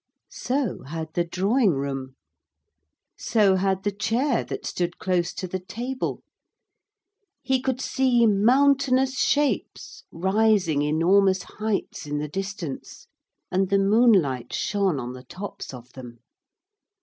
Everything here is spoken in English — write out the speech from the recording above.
So had the drawing room. So had the chair that stood close to the table. He could see mountainous shapes raising enormous heights in the distance, and the moonlight shone on the tops of them.